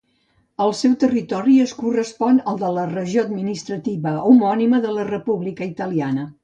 El seu territori es correspon al de la regió administrativa homònima de la República Italiana.